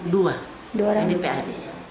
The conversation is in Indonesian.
dua ini pad